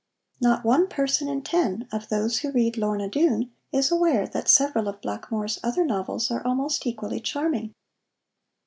Not one person in ten of those who read Lorna Doone is aware that several of Blackmore's other novels are almost equally charming.